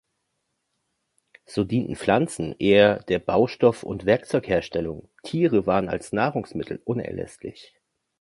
So dienten Pflanzen eher der Baustoff- und Werkzeugherstellung, Tiere waren als Nahrungsmittel unerlässlich.